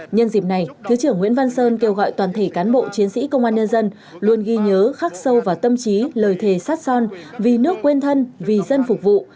nhân dịp này thứ trưởng nguyễn văn sơn kêu gọi toàn thể cán bộ chiến sĩ công an nhân dân luôn ghi nhớ khắc sâu vào tâm trí lời thề sát son vì nước quên thân vì dân phục vụ